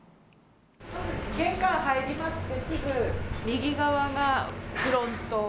玄関入りましてすぐ右側がフロント。